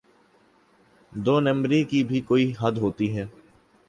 دو نمبری کی بھی کوئی حد ہوتی ہے۔